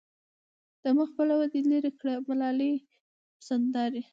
د مخ پلو دې لېري کړه ملالې حسن دارې